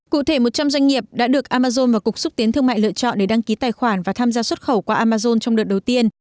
cụ thể một trăm linh doanh nghiệp đã được amazon và cục xúc tiến thương mại lựa chọn để đăng ký tài khoản và tham gia xuất khẩu qua amazon trong đợt đầu tiên